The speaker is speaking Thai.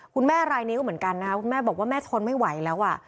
คุณแม่รายนิ้วเหมือนกันนะคุณแม่บอกว่าแม่ทนไม่ไหวแล้วอ่ะ